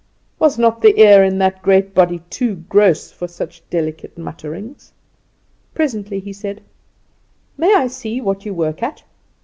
Was not the ear in that great body too gross for such delicate mutterings? Presently he said: "May I see what you work at?"